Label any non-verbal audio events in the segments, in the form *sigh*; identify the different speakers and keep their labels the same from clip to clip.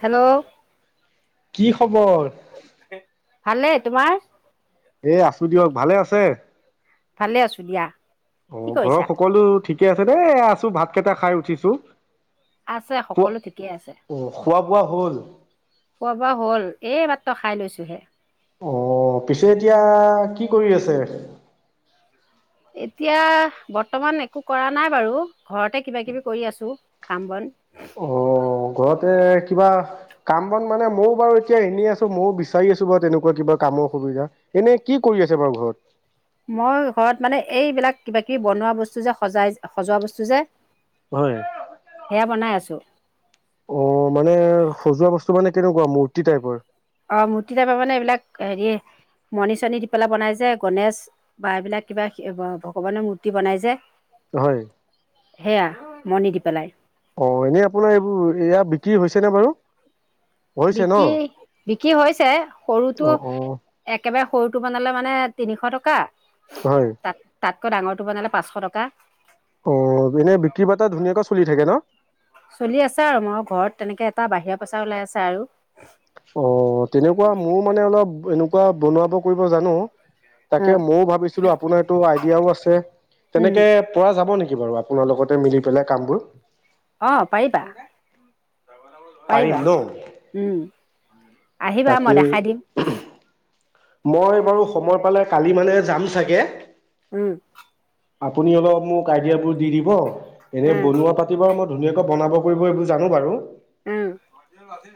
Speaker 1: Hello?
Speaker 2: কি খবৰ?
Speaker 1: ভালে তোমাৰ?
Speaker 2: এ আছো দিয়ক, ভালে আছে?
Speaker 1: ভালে আছো দিয়া
Speaker 2: অ
Speaker 1: কি
Speaker 2: ঘৰৰ
Speaker 1: কৰিছা
Speaker 2: সকলো ঠিকে? ঠিকে আছে দেই, আছোঁ, ভাত কেইটা খাই উঠিছোঁ।
Speaker 1: আছে সকলো ঠিকেই আছে।
Speaker 2: খোৱা বোৱা হ'ল?
Speaker 1: খোৱা বোৱা হ'ল। এই মাত্ৰ খাই লৈছোহে।
Speaker 2: অহ, অ পিছে এতিয়া, কি কৰি আছে?
Speaker 1: এতিয়া বৰ্তমান একো কৰা নাই বাৰু। ঘৰতে কিবা কিবি কৰি আছোঁ, কাম বন।
Speaker 2: অ ঘৰতে কিবা কাম বন মানে মইও বাৰু এতিয়া এনেই আছোঁ মইও বিচাৰি আছোঁ বাৰু, তেনেকুৱা কিবা কামৰ সুবিধা। ‌ এনেই কি কৰি আছে বাৰু ঘৰত?
Speaker 1: মই ঘৰত মানে এইবিলাক কিবা কিবি বনোৱা বস্তু যে, সজাই, সজোৱা বস্তু যে
Speaker 2: হয়।
Speaker 1: সেয়া বনাই আছোঁ।
Speaker 2: অ' মানে সজোৱা বস্তু মানে কেনেকুৱা মূৰ্তি টাইপৰ?
Speaker 1: অ' মূৰ্তি টাইপৰ মানে এইবিলাক, হেৰি মণি, চনি দি পেলাই বনাই যে, গণেশ বা এইবিলাক কিবা ভগৱানৰ মূৰ্তি বনাই যে
Speaker 2: হয়।
Speaker 1: সেয়া মনি দি পেলাই।
Speaker 2: অ এনেই আপোনাৰ এইবোৰ এয়াত কি হৈছেনে বাৰু? হৈছে ন?
Speaker 1: বিকি, বিকি, হৈছে
Speaker 2: অ
Speaker 1: সৰুটো
Speaker 2: অ
Speaker 1: একেবাৰে সৰুটো বনালে মানে তিনিশ টকা
Speaker 2: হয়।
Speaker 1: তাত তাতকৈ ডাঙৰটো বনালে পাঁচশ টকা।
Speaker 2: অ' এনেই বিক্ৰী বাৰ্টা ধুনীয়াকৈ চলি থাকে ন?
Speaker 1: চলি আছে আৰু, মই ঘৰত, তেনেকে এটা বাহিৰা পইচা ওলাই আছে আৰু। ‌
Speaker 2: অ' তেনেকুৱা মোৰ মানে অলপ, এন তেনেকুৱা বনাব কৰিব জানোঁ।
Speaker 1: অ
Speaker 2: তাকে মও ভাবিছিলো আপোনাৰটো, আইডিয়াও আছে,
Speaker 1: উম
Speaker 2: তেনেকে পৰা যাব নেকি বাৰু? আপোনাৰ লগতে মিলি পেলাই কামবোৰ।
Speaker 1: অ' পাৰিবা।
Speaker 2: পাৰিম
Speaker 1: পাৰিবা,
Speaker 2: ন?
Speaker 1: উম! আহিবা মই
Speaker 2: তাকেই
Speaker 1: দেখাই দিম।
Speaker 2: মই বাৰু সময় পালে কালি মানে যাম চাগে।
Speaker 1: উম!
Speaker 2: আপুনি অলপ মোক আইডিয়াবোৰ দি দিব। এনেই
Speaker 1: উম
Speaker 2: বনোৱা পাতিব মই ধুনীয়াকে বনাব কৰিব এইবোৰ জানো বাৰু
Speaker 1: উম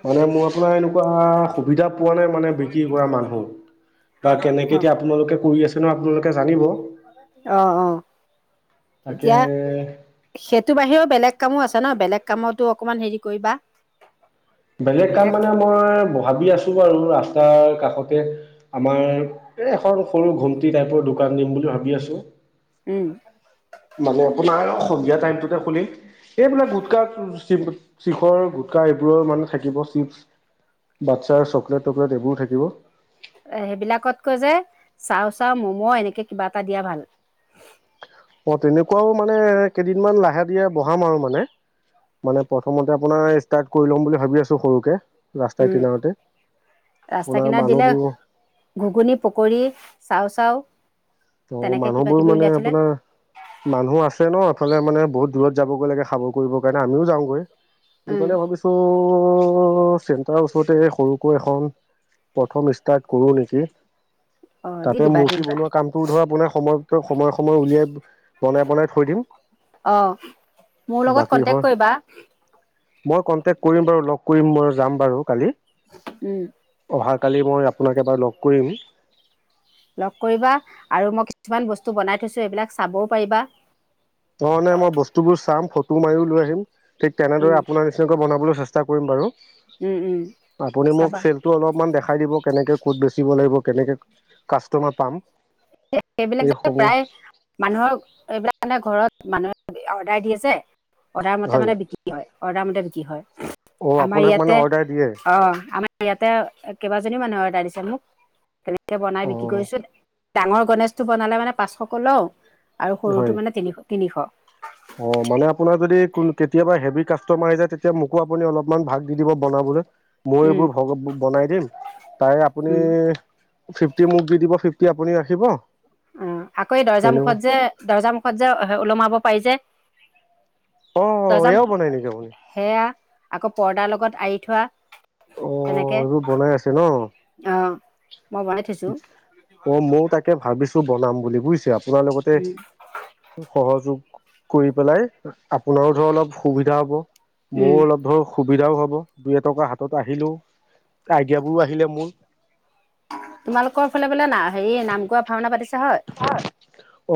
Speaker 2: মানে মোৰ আপোনাৰ এনেকোৱা সুবিধা মানে মানে বিক্ৰী কৰা মানুহ বা কেনেকে এতিয়া আপোনালোকে কৰি আছে ন লোকেল
Speaker 1: অ অ
Speaker 2: তাকে
Speaker 1: এতিয়া সেইটো বাহিৰেও বেলেগ কামো আছে ন বেলেগ কামতো অকমান হেৰি কৰিবা
Speaker 2: বেলেগ কাম
Speaker 1: বিলাক
Speaker 2: মানে মই ভাবি আছো বাৰু ৰাস্তাৰ কাষতে আমাৰ এ এখন সৰু ঘুম্তি টাইপৰ দোকান দিম বুলি ভাবি আছো
Speaker 1: উম
Speaker 2: মানে আপোনাৰ সন্ধিয়া টাইমটোতে খুলি এইবিলাক গোটকা শিখৰ গোটকা এইবোৰৰ মানে থাকিব চিপচ বাচ্ছাৰ চকলেট টকলেট এইবোৰ থাকিব
Speaker 1: এ সেইবিলাকতকৈ যে চাও চাও মম' এনেকে কিবা এটা দিয়া ভাল
Speaker 2: অ তেনেকোৱাও মানে কেইদিনমান লাহে ধীৰে বহাম আৰু মানে মানে প্ৰথমতে আপোনাৰ ষ্টাৰ্ট কৰি ল'ম বুলি ভাবি আছো সৰুকে ৰাস্তাৰ
Speaker 1: উম
Speaker 2: কিনাৰতে
Speaker 1: ৰাস্তা
Speaker 2: আপোনাৰ
Speaker 1: কিনাৰ দিলে
Speaker 2: মানুহবোৰ
Speaker 1: ঘুগুনী পকৰী চাও চাওঁ
Speaker 2: ত মানুহবোৰ মানে আপোনাৰ মানুহ আছে ন এফালে মানে বহুত দূৰত যাবগে লাগে খাবৰ কৰিবৰ কাৰণে আমিও যাওঁগৈ
Speaker 1: উম
Speaker 2: সেইকাৰণে ভাৱিছো অ চেণ্টাৰৰ ওচৰতে সৰুকৈ এখন প্ৰথম ষ্টাৰ্ট কৰো নেকি
Speaker 1: অ দি
Speaker 2: তাতে
Speaker 1: দিবা দি
Speaker 2: মূৰ্তি
Speaker 1: দিবা
Speaker 2: বনোৱা কাম ত ধৰা আপোনাৰ সময়- সময়ে সময়ে উলিয়াই বনাই বনাই থৈ দিম।
Speaker 1: অ' মোৰ লগত
Speaker 2: বাকী
Speaker 1: কন্টেক
Speaker 2: ধৰ
Speaker 1: কৰিবা।
Speaker 2: মই কনটেক্ট কৰিম বাৰু লগ কৰিম মই যাম বাৰু কালি।
Speaker 1: উম,
Speaker 2: অহাকালি মই আপোনাক এবাৰ লগ কৰিম।
Speaker 1: লগ কৰিবা আৰু মই কিছুমান বস্তু বনাই থৈছো এইবিলাক চাবও পাৰিবা।
Speaker 2: ন মানে মই বস্তুবোৰ চাম ফটো মাৰিও লৈ আহিম। ঠিক
Speaker 1: উম
Speaker 2: তেনেদৰে আপোনাৰ নিচিনাকৈ বনাবলৈ চেষ্টা চেষ্টা কৰিম বাৰু।
Speaker 1: উম উম
Speaker 2: আপুনি মোক
Speaker 1: চাবা
Speaker 2: চেলটো অলপমান দেখাই দিব। কেনেকে ক'ত বেচিব লাগিব কেনেকে কাষ্টমাৰ পাম।
Speaker 1: সেইবিলাক যে
Speaker 2: এইসমূহ
Speaker 1: প্ৰায় মানুহৰ এইবিলাক মানে ঘৰত। মানুহে অৰ্ডাৰ দি আছে। অৰ্ডাৰ মতে মানে বিক্ৰী হয়। অৰ্ডাৰ মতে বিক্ৰী হয়।
Speaker 2: অঁ,
Speaker 1: আমাৰ
Speaker 2: আপোনাক
Speaker 1: ইয়াতে
Speaker 2: মানে অৰ্ডাৰ দিয়ে?
Speaker 1: অ আমাৰ ইয়াতে কেইবাজনী মানুহে অৰ্ডাৰ দিছে মোক। তেনেকে বনাই
Speaker 2: অ
Speaker 1: বিক্ৰী কৰিছো। ডাঙৰ গণেশটো বনালে মানে পাঁচশকে লও আৰু সৰুতটো
Speaker 2: হয়
Speaker 1: মানে তিনিশ। তিনিশ
Speaker 2: অ' মানে আপোনাৰ যদি কোন কেতিয়াবা হেভি কাষ্ট কাষ্টমাৰ আহি যায় তেতিয়া মোকো আপুনি অলপমান ভাগ দি দিব বনাবলে। মই
Speaker 1: উম
Speaker 2: এইবোৰ ভ বনাই দিম, তাৰে আপুনি
Speaker 1: উম
Speaker 2: ফিফটি মোক দি দিব, ফিফটি আপুনি ৰাখিব।
Speaker 1: উম, আকৌ এই দৰ্জা
Speaker 2: তেনেকুৱা
Speaker 1: মুখত যে, দৰ্জা মুখত যে হ ওলমাব পাৰি যে
Speaker 2: অঁ
Speaker 1: দৰ্জা
Speaker 2: এয়াও বনাই নেকি আপুনি?
Speaker 1: সেয়া আকৌ পৰ্দাৰ লগত আৰি থোৱা।
Speaker 2: অ,
Speaker 1: তেনেকে
Speaker 2: এইবোৰ বনাই আছে ন?
Speaker 1: অ মই বনাই থৈছো
Speaker 2: অ, মৌ তাকে ভা ভাবিছো বনাম বুলি বুইছে আপোনাৰ লগতে,
Speaker 1: উম
Speaker 2: সহযোগ কৰি পেলাই, আপোনাৰো ধৰ অলপ সুবিধা হব।
Speaker 1: উম
Speaker 2: মোৰো অলপ ধৰ সু সুবিধাও হ'ব। দুই এটকা হাতত আহিলো, আইডিয়া বোৰো আহিলে মোৰ।
Speaker 1: তোমালোকৰ ফালে বোলে না হেৰি, নাম গোৱা ভাওনা পাতিছে হয়?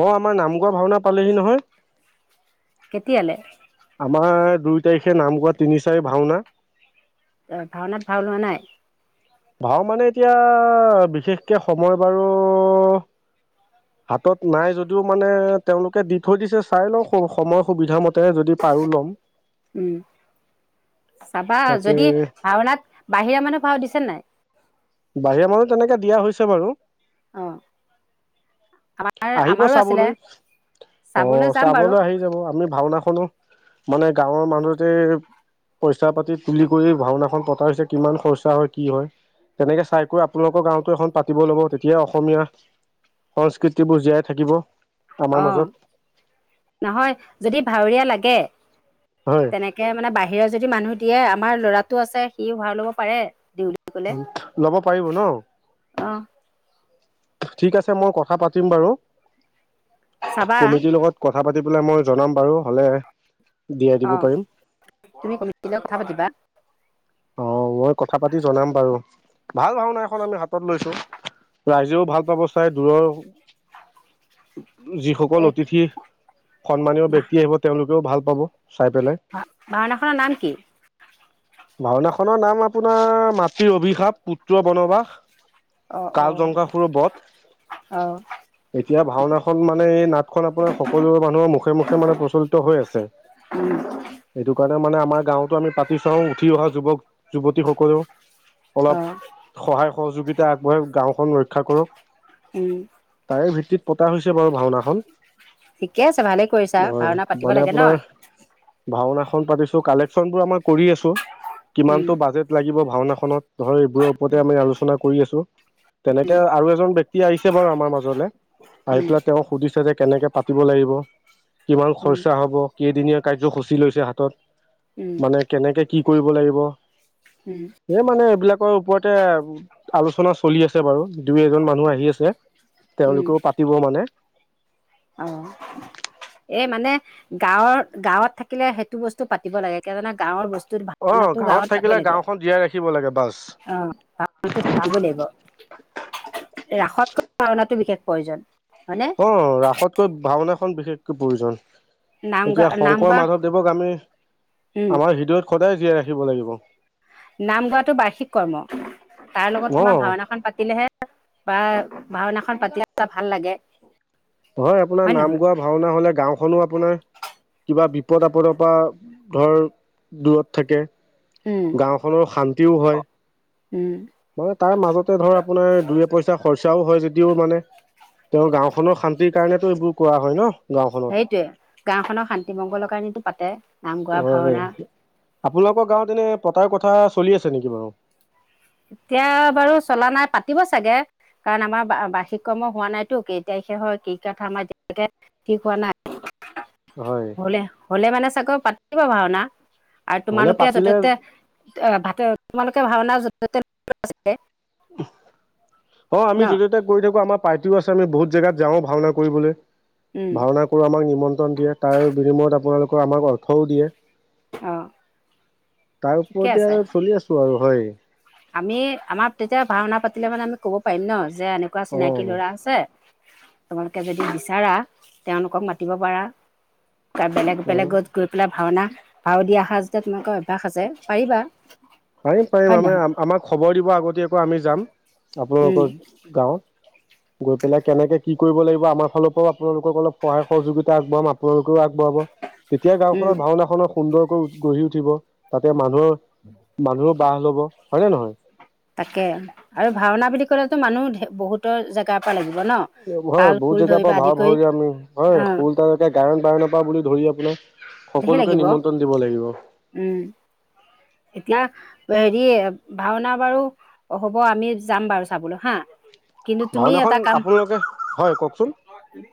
Speaker 2: অ আমাৰ নামগোৱা ভাওনা পালেহি নহয়।
Speaker 1: কেতিয়ালে?
Speaker 2: আমাৰ দুই তাৰিখে নাম গোৱা, তিনি চাৰি ভাওনা।
Speaker 1: অঁ ভাওনাত ভাওঁ লোৱা নাই?
Speaker 2: ভাওঁ মানে এতিয়া, বিশেষকে সময় বাৰু হাতত নাই যদিও মানে তেওঁলোকে দি থৈ দিছে, চাই লওঁ সময় সুবিধা মতে যদি পাৰো লম।
Speaker 1: উম। চাবা
Speaker 2: তাকে
Speaker 1: যদি, ভাওঁনাত বাহিৰা মানুহ ভাওঁ দিছে না নাই?
Speaker 2: বাহিৰা মানুহ তেনেকে দিয়া হৈছে বাৰু।
Speaker 1: অ আমাৰ
Speaker 2: আহিব
Speaker 1: আমাৰো আছিলে
Speaker 2: চাবলৈ। অঁ,
Speaker 1: যাম বাৰু
Speaker 2: চাবলৈ আহি যাব আমি ভাওঁনাখনো মানে গাঁৱৰ মানুহতে, পইচা পাতি তুলি কৰি ভাওঁনাখন পতা হৈছে কিমান খৰচা হয় কি হয়। তেনেকে চাইকৈ আপোনালোকৰ গাঁওতো এখন পাতিব লাগিব, তেতিয়া অসমীয়া সংস্কৃতিবোৰ জীয়াই থাকিব। আমাৰ
Speaker 1: অ,
Speaker 2: মাজত
Speaker 1: নহয় যদি ভাওঁৰীয়া লাগে
Speaker 2: হয়
Speaker 1: তেনেকে মানে বাহিৰৰ যদি মানুহ দিয়ে আমাৰ ল'ৰাতটো আছে, সি ভাওঁ ল'ব পাৰে, দেউ
Speaker 2: লব পাৰিব ন
Speaker 1: অঁ
Speaker 2: ঠিক আছে মই কথা পাতিম বাৰু
Speaker 1: চাবা
Speaker 2: কমিটিৰ লগত কথা পাতি পেলাই মই জনাম বাৰু, হ'লে দিয়াই
Speaker 1: অ,
Speaker 2: দিব পাৰিম
Speaker 1: তুমি কমিটি লগত কথা পাতিবা।
Speaker 2: অ, মই কথা পাতি জনাম বাৰু, ভাল ভাওঁনা এখন আমি হাতত লৈছো, ৰাইজেও ভাল পাব চাই দূৰৰ যিসকল
Speaker 1: এই
Speaker 2: অতিথি, সন্মানীয় ব্যক্তি আহিব তেওঁলোকেও ভাল পাব চাই পেলাই
Speaker 1: ভাওঁনাখনৰ নাম কি?
Speaker 2: ভাওঁনাখনৰ নাম আপোনাৰ মাটিৰ অভিশাপ পুত্ৰ বনবাস।
Speaker 1: অঁ
Speaker 2: কাল
Speaker 1: অঁ
Speaker 2: জংঘাসুৰৰ বধ,
Speaker 1: অঁ
Speaker 2: এতিয়া ভাওঁনাখন মানে এই নাটখন আপোনাৰ সকলোৰে মানুহৰ মুখে- মুখে মানে প্ৰচলিত হৈ আছে,
Speaker 1: উম
Speaker 2: এইটো কাৰণে মানে আমাৰ গাঁওতো আমি পাতি চাওঁ। অহা যুৱক-যুৱতীসকলেও অলপ
Speaker 1: অঁ
Speaker 2: সহায় সহযোগ সহযোগিতা আগবঢ়াই গাঁওখন ৰক্ষা কৰক
Speaker 1: উম
Speaker 2: তাৰে ভিত্তিত পতা হৈছে বাৰু ভাওনাখন।
Speaker 1: ঠিকে আছে ভালে কৰিছা
Speaker 2: হয়,
Speaker 1: ভাওনা পাতিব
Speaker 2: মানে
Speaker 1: লাগে ন
Speaker 2: আপোনাৰ ভাওনাখন পাতিছো কালে। বচন বোৰ আমাৰ কৰি আছো।
Speaker 1: উম
Speaker 2: কিমানটো বাজেট লাগিব? ভাওনাখনত ধৰ এইবোৰৰ ওপৰতে আমি আলোচনা কৰি আছো, তেনেকে আৰু এজন ব্যক্তি আহিছে বাৰু আমাৰ মাজলে আহি
Speaker 1: উম
Speaker 2: পেলাই তেওঁক সুধিছে যে কেনেকে পাতিব লাগিব? কিমান
Speaker 1: উম
Speaker 2: খৰচা হব? কেইদিনীয়া? কাৰ্যসূচী লৈছে হাতত।
Speaker 1: উম
Speaker 2: মানে কেনেকে? কি কৰিব লাগিব?
Speaker 1: উম
Speaker 2: এ মানে, এইবিলাকৰ ওপৰতে আলোচনা চলি আছে। আছে বাৰু। দুই এজন মানুহ আহি আছে, তেওঁলোকেও পাতিব মানে।
Speaker 1: অ, এই মানে গাঁৱৰ-গাঁৱত থাকিলে সেইটো বস্তু পাতিব লাগে, কি গাঁৱৰ বস্তু
Speaker 2: অ
Speaker 1: ভাওনাটো গাঁৱত পাবই
Speaker 2: থাকিলে
Speaker 1: লাগে।
Speaker 2: গাঁওখন জীয়াই ৰাখিব লাগে বাছ
Speaker 1: অ ভাওনা থাকিব লাগিব ৰাসতকৈ ভাওনাটো বিশেষ। প্ৰয়োজন? হয়নে?
Speaker 2: অ ৰাসত। কৈ ভাওনাখন। বিশেষকৈ প্ৰয়োজন।।
Speaker 1: নাম গা
Speaker 2: এতিয়া
Speaker 1: নাম
Speaker 2: শংকৰ
Speaker 1: গোৱা
Speaker 2: মাধৱদেৱক আমি
Speaker 1: উম
Speaker 2: আমাৰ হৃদয়ত সদায় জীয়াই ৰাখ। পাতিব লাগিব।
Speaker 1: নাম গোৱাটো বাৰ্ষিক কৰ্ম। তাৰ লগত
Speaker 2: অ
Speaker 1: তোমাৰ ভাওনাখন পাতিলেহে। বা ভাওনাখন পাতিলে ভাল লাগে।
Speaker 2: হয় আপোনাৰ নাম গোৱা ভাওনা হলে গাওখনো আপোনাৰ কিবা। পদ আপদৰ পৰা ধৰ দূৰত থাকে।
Speaker 1: উম
Speaker 2: গাওখনৰ শান্তিও হয়
Speaker 1: উম
Speaker 2: মানে তাৰ মাজতে ধৰ আপোনাৰ দুই এ পইচা খৰচাও হয় যদি। ও মানে তেওঁৰ গাঁওখনৰ শান্তি? কাৰণেটো এইবোৰ কোৱা হয় ন। গাঁওখনত
Speaker 1: সেইটোৱে গাঁওখনৰ শান্তি মংগলৰ কাৰনেটো পাতে। নাম গোৱা ভাওনা।
Speaker 2: হয় আপোনালোকৰ গাঁৱত এনে পতাৰ কথা চলি আছে নেকি বাৰু।
Speaker 1: এতিয়া বাৰু চলা নাই পাতিব চাগে কাৰণ আমাৰ বাৰ্ষিক কৰ্ম হোৱা নাইতো কেতিয়া সে হয় কি কথা আমাৰ এতিয়কে ঠিক হোৱা নাই?
Speaker 2: হয়
Speaker 1: হ'লে হলে মানে চাগৈ পা। কিবা ভওনা। আৰু
Speaker 2: হ'লে
Speaker 1: তোমালোকে যতে
Speaker 2: পাতিলে
Speaker 1: ততে। ভাতে তোমালোকে ভাওনা।
Speaker 2: অ আমি
Speaker 1: ন
Speaker 2: যতে ত কৰি থাকো আমাৰ। পাৰ্টিও আছে আমি বহুত জেগাত যাও ভাওনা কৰিবলৈ।
Speaker 1: উম
Speaker 2: ভাওনা কৰো আমাক নিমন্ত্ৰণ দিয়ে তাৰ বিনিময়ত আপোনালোকে? আমাক অৰ্থও দিয়ে।
Speaker 1: অ',
Speaker 2: তাৰ
Speaker 1: ঠিকে
Speaker 2: ওপৰতে
Speaker 1: আছে।
Speaker 2: আৰু চলি আছো আৰু হয়।
Speaker 1: আমি আমাৰ তেতিয়া ভাওনা পাতিলে মানে আমি কব পাৰিম ন। যে এনেকুৱা
Speaker 2: অ
Speaker 1: চিনাকি ল'ৰা আছে? তোমালোকে যদি বিচাৰা তেওঁলোকক মাতিব পাৰা। ত বেলেগ
Speaker 2: অ
Speaker 1: বেলেগত গৈ পেলাই ভাওনা। পাৰ দিয়া সাজ নকৈ অভ্যাস আছে পাৰিবা?
Speaker 2: পাৰিম পাৰিম
Speaker 1: হয়
Speaker 2: আমে
Speaker 1: নহয়?
Speaker 2: আমাক খবৰ দিব আগতীয়াকৈ আমি যাম।
Speaker 1: উম,
Speaker 2: আপোনালোকৰ গাঁৱত গৈ পেলাই কেনেকে কি কৰিব লাগিব আমাৰ ফালৰ পৰাও আপোনালোকক অলপ সহায় সহযোগিতা আগবঢ়াম আপোনালোকক আগবঢ়াব তেতিয়া
Speaker 1: উম,
Speaker 2: গাঁওখননৰ ভাওনাখননৰ সুন্দৰকৈ গঢ়ি উঠিব তাতে মানুহৰ,
Speaker 1: *inaudible*
Speaker 2: মানুহো বাহ লব হয়নে নহয়?
Speaker 1: তাকে আৰু ভাওনা বুলি ক'লেতো মানুহ বহুতৰ জেগাৰ পৰা লাগিব। ন
Speaker 2: হয়
Speaker 1: তাল
Speaker 2: বহুত
Speaker 1: খোল
Speaker 2: জেগাৰ
Speaker 1: ধৰিব
Speaker 2: পৰা ভা
Speaker 1: আদি কৰি
Speaker 2: ভাওৰিয়া আমি হয়
Speaker 1: অ',
Speaker 2: শল তে গায়ন বায়নৰ পৰা বুলি ধৰি আপোনাৰ
Speaker 1: ধেৰ
Speaker 2: সকলোকে
Speaker 1: লাগিব
Speaker 2: নিমন্ত্ৰণ দিব লাগিব।
Speaker 1: উম। এতিয়া হেৰি ভাওনা বাৰু হ'ব আমি যাম বাৰু চাবলৈ হা কিন্তু তুমি
Speaker 2: ভাওনাখন
Speaker 1: এটা কাম
Speaker 2: আপোনালোকে হয় কওকচোন?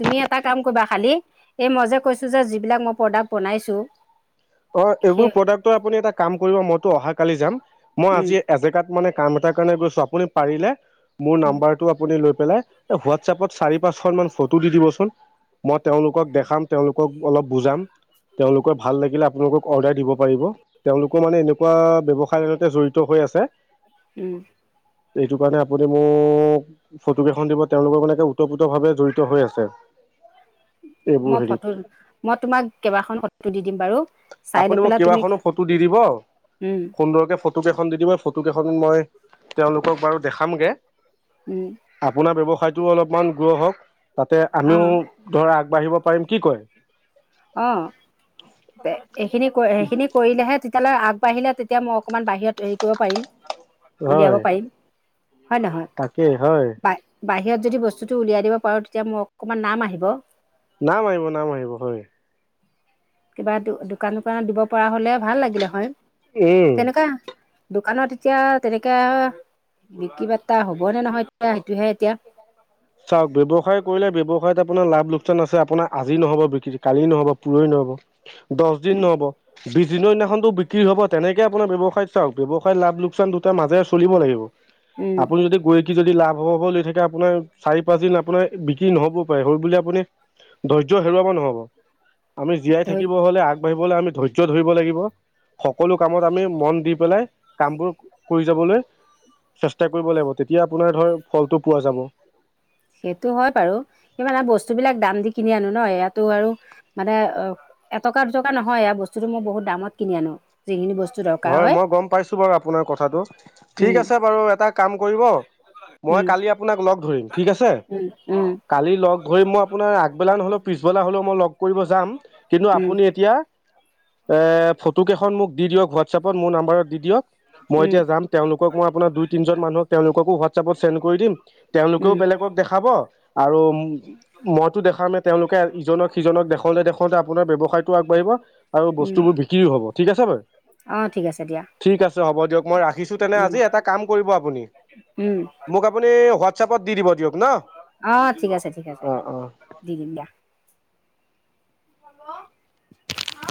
Speaker 1: তুমি এটা কাম কইবা খালি এই মই যে কৈছোঁ যে যিবিলাক মই প্ৰডাক্ট বনাইছোঁ,
Speaker 2: অ এইবোৰ
Speaker 1: সেই
Speaker 2: প্ৰডাক্টৰ আপুনি এটা কাম কৰিব ম ত অহা কালি যাম। মই
Speaker 1: উম
Speaker 2: আজি এজেগাত মানে কাম এটাৰ কাৰণে গৈছো আপুনি পাৰিলে মোৰ
Speaker 1: উম
Speaker 2: নাম্বাৰটো আপুনি লৈ পেলাই হোৱাটচাপত চাৰি পাঁচ খন মান ফটো দি দিবচোন মই তেওঁলোকক দেখাম তেওঁলোকক অলপ বুজাম তেওঁলোকৰ ভাল লাগিলে, আপোনালোকক অৰ্ডাৰ দিব পাৰিব। তেওঁলোকো মানে এনেকুৱা ব্যৱসায়তে জড়িত হৈ আছে।
Speaker 1: উম
Speaker 2: এইটো কাৰণে আপুনি মোক ফটো কেইখন দিব তেওঁলোকৰ মানেে ওতঃপ্ৰোত ভাৱে জড়িত হৈ আছে এইবোৰ
Speaker 1: মই
Speaker 2: হেৰিত
Speaker 1: ফটো মই তোমাক কেইবাখন ফটো দি দিম বাৰু চাই লৈ
Speaker 2: আপুনি মোক
Speaker 1: পেলাই তুমি
Speaker 2: কিবাখনো ফটো দি দিব, সুন্দৰকে ফটো কেইখন দি দিব, ফটো কেইখন মই আপোনাৰ ব্যৱসায়টো অলপমান গ্ৰ হওক। তাতে আমিও
Speaker 1: অঁ
Speaker 2: ধৰা আগ বাঢ়িব পাৰিম কি কয়?
Speaker 1: অহঁ। এইখিনি সেইখিনি কৰিলেহে, তেতিয়ালৈ আগবাঢ়িলে তেতিয়া মই অকণমান বাহিৰত হেৰি কৰিব পাৰিম। উলিয়াব
Speaker 2: হয়
Speaker 1: পাৰিম। হয় নহয় হয়
Speaker 2: তাকেই হয়
Speaker 1: বাহিৰত যদি বস্তুটো উলিয়াই দিব পাৰোঁ, তেতিয়া মোৰ অকমান নাম আহিব।
Speaker 2: নাম আহিব, নাম আহিব, হয়।
Speaker 1: কিবা দোকান, দোকানৰ পৰা দিব পৰা হ'লে ভাল লাগিলে হয়।
Speaker 2: এ
Speaker 1: তেনেকুৱা দোকানত এতিয়া তেনেকে, বিক্ৰী বাৰ্তা হ'ব‌নে নহয় সেইটোহে এতিয়া।
Speaker 2: চাওক ব্যৱসায় কৰিলে, ব্যৱসায় এটা আপোনাৰ লাভ লোকচান আছে, আপোনাৰ আজি নহব বিক্ৰী, কালি নহব, পুৰহি নহব দহ দিন নহব, বিচ দিন যিকোনো এদিনাখন টো বিক্ৰী হ'ব। তেনেকৈ আপোনাৰ ব্যৱসায়ত চাওক, ব্যৱসায়ত লাভ লোকচান দুয়োটাৰ মাজেৰে চলিব লাগিব।
Speaker 1: উম
Speaker 2: আপুনি যদি গৈ কি যদি লাভ হ'ব, হ'ব লৈ থাকে আপোনাৰ চাৰি পাঁচ দিন আপোনাৰ বিক্ৰী নহবও পাৰে, হ'ল বুলি আপুনি ধৈৰ্য্য হেৰুৱাব নহব। আমি জীয়াই থাকিব হ'লে আগবাঢ়িব আমি ধৈৰ্য ধৰিব লাগিব, সকলো কামত আমি মন দি পেলাই, কামবোৰ কৰি যাবলৈ চেষ্টা কৰিব লাগিব। ‌ তেতিয়া আপোনাৰ ধৰ ফলটো পোৱা যাব।
Speaker 1: সেইটো হয় বাৰু, কিন্তু মানে বস্তুবলাক দাম দি কিনি আনোঁ ন, ইয়াতো আৰু মানে অ এটকা দুটকা নহয়, এই বস্তুতটো মই বহুত দামত কিনি আনোঁ যিখিনি বস্তু
Speaker 2: হয় মই গম পাইছোঁ বাৰু আপোনাৰ কথাটো। ঠিক
Speaker 1: উম
Speaker 2: আছে বাৰু এটা কাম কৰিব, মই
Speaker 1: উম
Speaker 2: কালি আপোনাক লগ ধৰিম। ঠিক আছে,
Speaker 1: উম
Speaker 2: কালি লগ ধৰিম মই আপোনাৰ আগবেলা নহ'লেও পিছবেলা হ'লেও মই কৰিব যাম, কিন্তু
Speaker 1: উম উম
Speaker 2: আপুনি এতিয়া এ ফটো কেইখন মোক দি দিয়ক ঘৰত হোৱাতচএপত মোৰ নাম্বৰত দি দিয়ক। মই
Speaker 1: উম
Speaker 2: এতিয়া যাম, তেওঁলোকক মই আপোনাৰ দুই তিনজন মানুহক তেওঁলোককো হোৱাটছএপত চেণ্ড কৰি দিম। তেওঁলোকেও
Speaker 1: উম
Speaker 2: বেলেগক দেখাব। আৰু মইতো দেখামে, তেওঁলোকে, ইজনক সিজনক দেখাওঁতে, দেখাওঁতে আপোনাৰ ব্যৱসায়টো আগবাঢ়িব। আৰু
Speaker 1: উম
Speaker 2: বস্তুবোৰ বিক্ৰীও হ'ব, ঠিক আছে বাৰু।
Speaker 1: অঁ ঠিক আছে দিয়া
Speaker 2: ঠিক আছে হ'ব দিয়ক। মই ৰাখিছোঁ তেনে
Speaker 1: উম
Speaker 2: আজি এটা কাম কৰিব আপুনি,
Speaker 1: উম
Speaker 2: মোক আপুনি এ হোৱাটচএপত চাপত দি দিব দিয়ক ন।
Speaker 1: অঁ ঠিক আছে ঠিক আছে
Speaker 2: অ'! অ'!
Speaker 1: অ' *unintelligible*